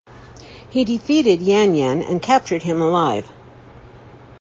He defeated Yan Yan and captured him alive.